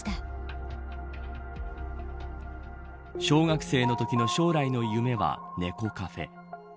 小学生のときの将来の夢はネコカフェ。